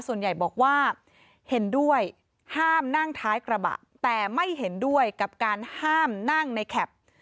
ส่วนใหญ่บอกว่าเห็นด้วยห้ามนั่งท้ายกระบะแต่ไม่เห็นด้วยกับการห้ามนั่งในแคป